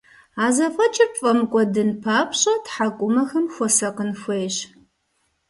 А зэфӀэкӀыр пфӀэмыкӀуэдын папщӀэ, тхьэкӀумэхэм хуэсакъын хуейщ.